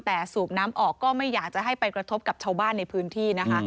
แต่สูบน้ำออกก็ไม่อยากจะให้ไปกระทบกับชาวบ้านในพื้นที่นะคะ